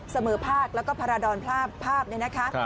เสมอภาคแล้วก็พาราดรภาพเนี่ยนะคะ